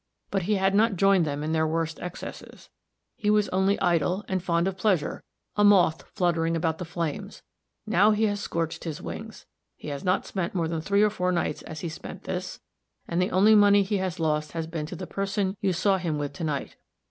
But he had not joined them in their worst excesses he was only idle and fond of pleasure a moth fluttering around the flames. Now he has scorched his wings. He has not spent more than three or four nights as he spent this; and the only money he has lost has been to the person you saw him with to night.